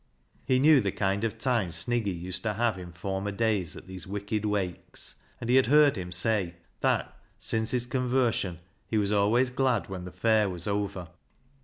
He knew the kind of time Sniggy used to have in former days at these wicked Wakes. And he had heard him say that, since his conversion, he was always glad when the fair was over.